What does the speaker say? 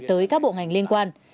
tới các bộ ngành liên quan